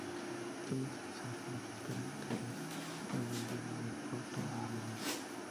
Actualmente es utilizado por las principales categorías neozelandesas de automovilismo.